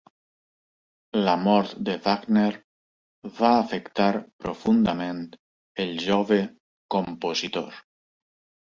La mort de Wagner va afectar profundament el jove compositor.